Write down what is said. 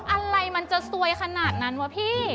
อะไรมันจะซวยขนาดนั้นวะพี่